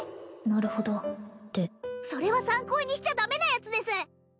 なるほどってそれは参考にしちゃダメなやつです